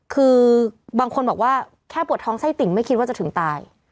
คือบางคนบอกว่าแค่ปวดท้องไส้ติ่งไม่คิดว่าจะถึงตาย